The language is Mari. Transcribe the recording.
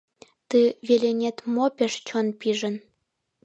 Ты веленет мо пеш чон пижын?